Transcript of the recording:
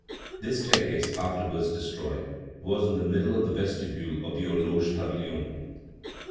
This staircase, afterwards destroyed, was in the middle of the vestibule of the Horloge Pavilion.